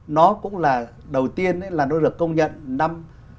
nó cũng là đầu tiên là nó được công nhận năm